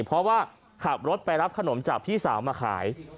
เพราะว่าขับรถไปรับขนมจากพี่สาวมาขาย